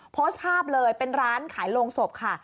โพสต์ภาพเลยเป็นร้านขายโรงศพค่ะ